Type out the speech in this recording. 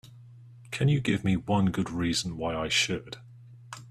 Can you give me one good reason why I should?